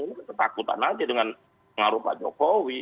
ini ketakutan saja dengan ngaruh pak jokowi